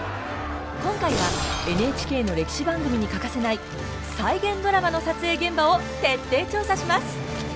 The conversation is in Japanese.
今回はＮＨＫの歴史番組に欠かせない再現ドラマの撮影現場を徹底調査します！